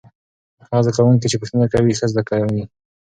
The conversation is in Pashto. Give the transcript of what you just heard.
هغه زده کوونکي چې پوښتنه کوي ښه زده کوي.